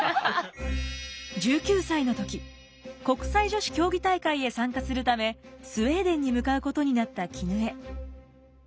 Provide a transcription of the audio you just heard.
１９歳の時国際女子競技大会へ参加するためスウェーデンに向かうことになった絹枝。